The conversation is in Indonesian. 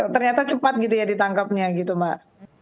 ternyata cepat gitu ya ditangkapnya gitu mbak